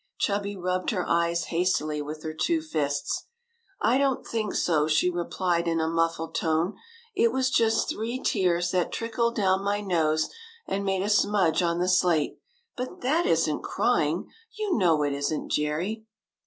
Chubby rubbed her eyes hastily with her two fists. " I don't think so," she replied in a muffled tone; "it was just three tears that trickled down my nose and made a smudge on the slate ; but that is n't crying. You know it is n't, Jerry